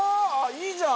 いいじゃん！